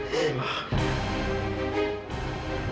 ketaufan juga ketaufan